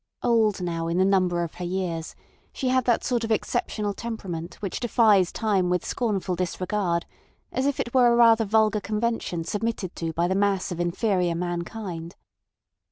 Old now in the number of her years, she had that sort of exceptional temperament which defies time with scornful disregard, as if it were a rather vulgar convention submitted to by the mass of inferior mankind.